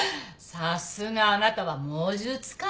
さすがあなたは猛獣使いね。